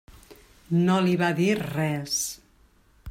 No li va dir res.